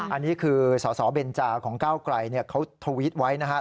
อันนี้คือสสเบนจาของก้าวไกรเขาทวิตไว้นะครับ